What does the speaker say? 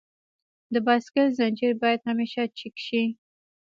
د بایسکل زنجیر باید همیشه چک شي.